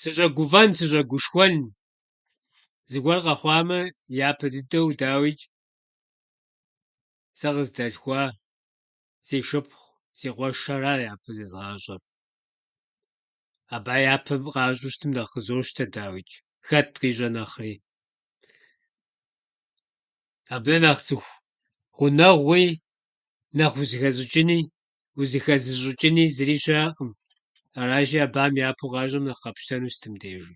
Сыщӏэгуфӏэн, сыщӏэгушхуэн, зыгуэр къэхъуамэ, япэ дыдэу, дауичӏ, сэ къыздалъхуа си шыпхъу, си къуэшхьэра япэ зэзгъащӏэр. Абыхьэм япэу къащӏэу щытмэ нэхъ къызощтэ, дауичӏ, хэт къищӏэ нэхъри. Абы нэ нэхъ цӏыху гъунэгъуи, нэхъ узыхэзщӏычӏыни- узыхэзыщӏычӏыни зыри щыӏэкъым. Аращи, абыхьэм япэу къащӏэм нэхъ къэпщтэну сытым дежи.